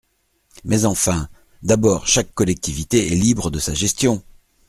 Mais enfin ! D’abord, chaque collectivité est libre de sa gestion.